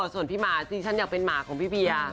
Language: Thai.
ส่วนพี่หมาที่ฉันอยากเป็นหมาของพี่เบียร์